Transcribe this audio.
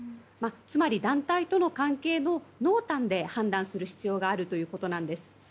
つまり、団体との関係の濃淡で判断する必要があるということなんです。